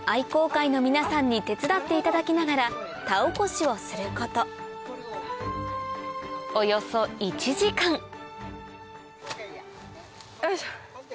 耕会の皆さんに手伝っていただきながら田起こしをすることおよそ１時間よいしょ！